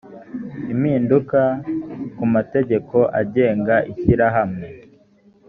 impinduka ku mategeko agenga ishyirahamwe